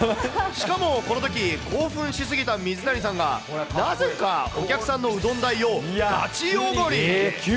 しかもこのとき、興奮しすぎた水谷さんが、なぜかお客さんのうどん代をガチおごり。